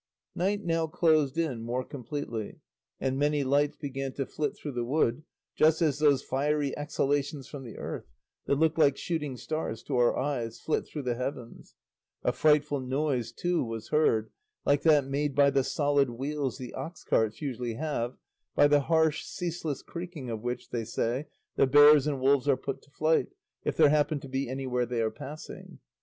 Night now closed in more completely, and many lights began to flit through the wood, just as those fiery exhalations from the earth, that look like shooting stars to our eyes, flit through the heavens; a frightful noise, too, was heard, like that made by the solid wheels the ox carts usually have, by the harsh, ceaseless creaking of which, they say, the bears and wolves are put to flight, if there happen to be any where they are passing.